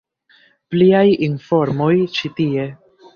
Pliaj informoj ĉi tie.